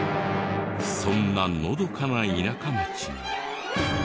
そんなのどかな田舎町に。